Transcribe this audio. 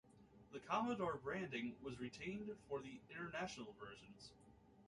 The Commodore branding was retained for the international versions.